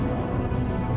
apaan sih ini